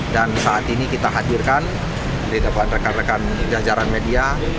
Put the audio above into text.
saat ini kita hadirkan di depan rekan rekan jajaran media